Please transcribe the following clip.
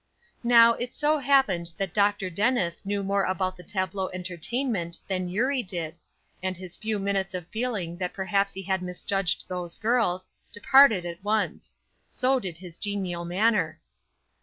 Now, it so happened that Dr. Dennis knew more about the tableau entertainment than Eurie did, and his few minutes of feeling that perhaps he had misjudged those girls, departed at once; so did his genial manner.